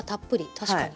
確かに。